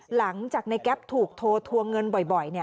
หลังจากในแก๊ปถูกโทรทวงเงินบ่อย